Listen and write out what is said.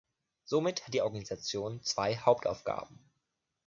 Somit hat die Organisation zwei Hauptaufgaben.